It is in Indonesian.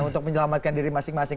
untuk menyelamatkan diri masing masing